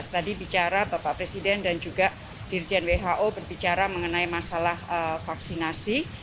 tadi bicara bapak presiden dan juga dirjen who berbicara mengenai masalah vaksinasi